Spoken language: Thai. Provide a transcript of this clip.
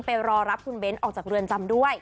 รอรับคุณเบ้นออกจากเรือนจำด้วย